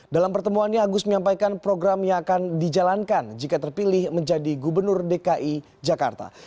dalam pertemuannya agus menyampaikan program yang akan dijalankan jika terpilih menjadi gubernur dki jakarta